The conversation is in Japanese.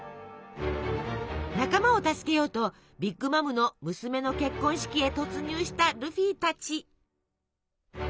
仲間を助けようとビッグ・マムの娘の結婚式へ突入したルフィたち。